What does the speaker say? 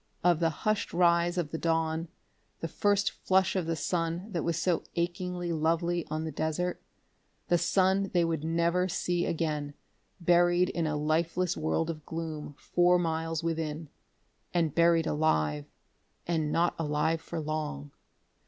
Of the hushed rise of the dawn, the first flush of the sun that was so achingly lovely on the desert. The sun they would never see again, buried in a lifeless world of gloom four miles within.... And buried alive and not alive for long....